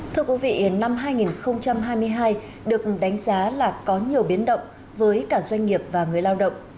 thưa quý vị năm hai nghìn hai mươi hai được đánh giá là có nhiều biến động với cả doanh nghiệp và người lao động